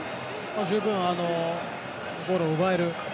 十分ゴールを奪える。